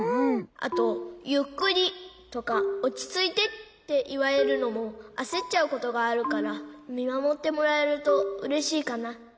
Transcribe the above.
あとゆっくりとかおちついてっていわれるのもあせっちゃうことがあるからみまもってもらえるとうれしいかな。